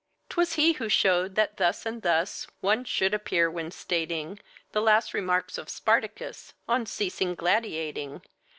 'Twas he who showed that thus and thus One should appear when stating The last remarks of Spartacus On ceasing gladiating.